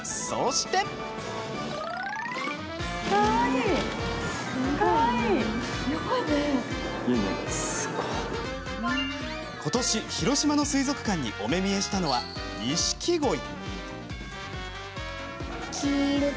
そしてことし、広島の水族館にお目見えしたのはニシキゴイ。